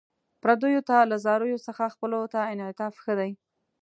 پردیو ته له زاریو څخه خپلو ته انعطاف ښه دی.